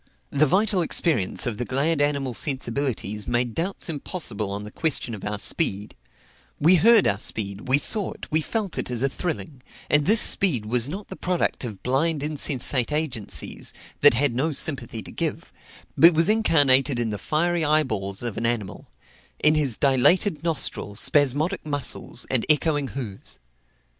The vital experience of the glad animal sensibilities made doubts impossible on the question of our speed; we heard our speed, we saw it, we felt it as a thrilling; and this speed was not the product of blind insensate agencies, that had no sympathy to give, but was incarnated in the fiery eyeballs of an animal, in his dilated nostril, spasmodic muscles, and echoing hoofs.